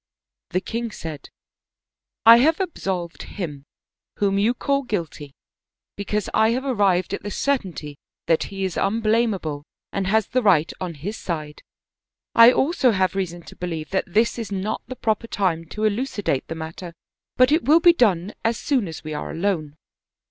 The king said :" I have absolved him, whom you call guilty, because I have arrived at the certainty* that he is unblamable and has the right on his side. I also have reason to believe that this is not the proper time to eluci date the matter, but it will be done as soon as we are alone."